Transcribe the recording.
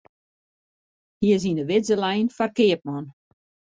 Hy is yn 'e widze lein foar keapman.